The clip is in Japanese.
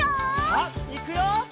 さあいくよ！